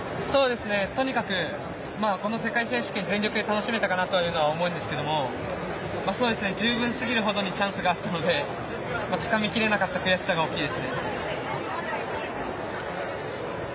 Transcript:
とにかくこの世界選手権、全力で楽しめたかなというのは思うんですけども十分すぎるほどにチャンスがあったのでつかみきれなかった悔しさが大きいですね。